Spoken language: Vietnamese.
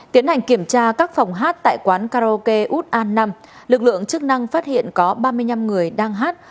tiến hành kiểm tra các phòng hát tại quán karaoke út an năm lực lượng chức năng phát hiện có ba mươi năm người đang hát